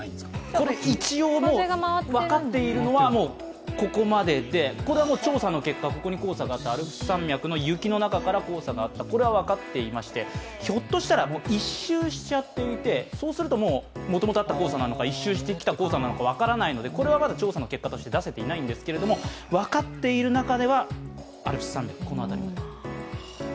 これ一応、分かっているのはここまでで調査の結果、ここに黄砂があって、アルプス山脈の雪の中から黄砂があった、これは分かっていましてひょっとしたら１周しちゃっていてそうするともともとあった黄砂なのか１周してきた黄砂なのか分からないので、調査の結果、出せていないんですけど、分かっている中ではアルプス山脈、この辺り。